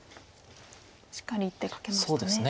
しっかり１手かけましたね。